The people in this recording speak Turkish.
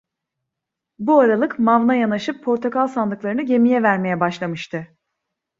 Bu aralık mavna yanaşıp portakal sandıklarını gemiye vermeye başlamıştı.